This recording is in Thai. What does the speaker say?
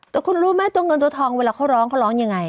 แต่คุณรู้ไหมตัวเงินตัวทองเวลาเขาร้องเขาร้องยังไง